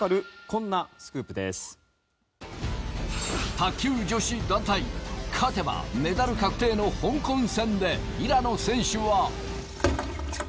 卓球女子団体勝てばメダル確定の香港戦で平野選手は。